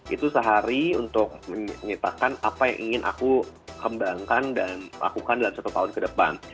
itu sehari untuk menyitakan apa yang ingin aku kembangkan dan lakukan dalam satu tahun ke depan